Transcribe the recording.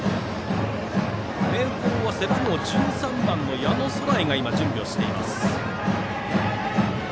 明豊は背番号１３番の矢野壮頼が今、準備をしています。